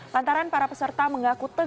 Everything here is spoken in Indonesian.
lantaran para peserta mengaku